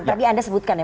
tadi anda sebutkan ya